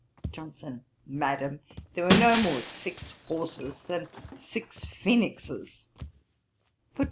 JOHNSON. 'Madam, there were no more six horses than six phoenixes.'